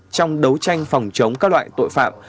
trong đấu tranh phòng chống các loại tội phạm